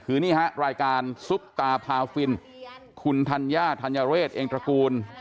คือนี่ฮะรายการซุปตาพาฟินคุณธัญญาธัญเรศเองตระกูล